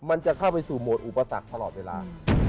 มันจะเข้าไปสู่โหมดอุปสรรคตลอดเวลา